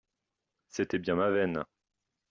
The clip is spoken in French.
C’était bien ma veine!